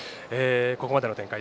ここまでの展開